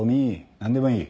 何でもいい。